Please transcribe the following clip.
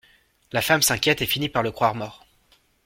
La femme s'inquiète et finit par le croire mort.